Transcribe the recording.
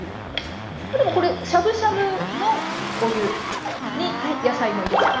でもこれしゃぶしゃぶのお湯に野菜も入れちゃう？